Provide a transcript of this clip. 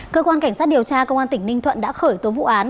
cơ quan cảnh sát điều tra công an tỉnh ninh thuận đã khởi tố vụ án